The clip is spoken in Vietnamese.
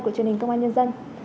của truyền hình công an nhân dân